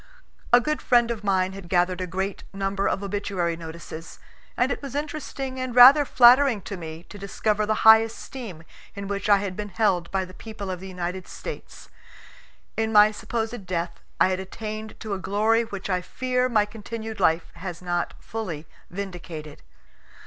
A good friend of mine had gathered a great number of obituary notices, and it was interesting and rather flattering to me to discover the high esteem in which I had been held by the people of the United States. In my supposed death I had attained to a glory which I fear my continued life has not fully vindicated.